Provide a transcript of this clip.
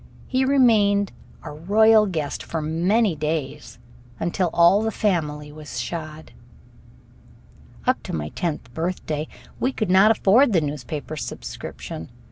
He remained, a royal guest, for many days, until all the family was shod. Up to my tenth birthday we could not afford the newspaper subscription.